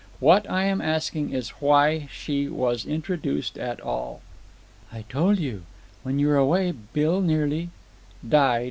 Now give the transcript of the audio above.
What I am asking is why she was introduced at all." "I told you. When you were away, Bill nearly——" "Died.